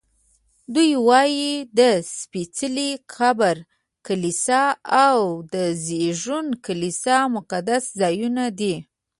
دوی وایي د سپېڅلي قبر کلیسا او د زېږون کلیسا مقدس ځایونه دي.